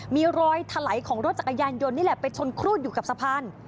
มีรอยถลายของรถจักรยานยนต์นี่แหละไปชนครูดอยู่กับสะพาน